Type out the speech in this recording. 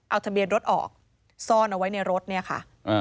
เอาทะเบียนรถออกซ่อนเอาไว้ในรถเนี่ยค่ะ